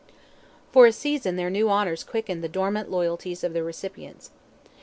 For a season their new honours quickened the dormant loyalty of the recipients.